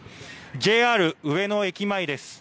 ＪＲ上野駅前です。